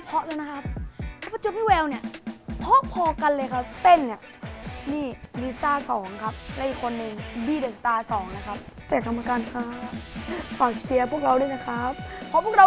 เอาหวัง